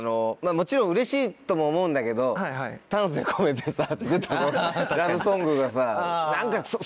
もちろんうれしいとも思うんだけど丹精込めて作ったラブソングがさ。